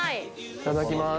いただきます。